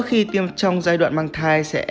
khi tiêm trong giai đoạn mang thai sẽ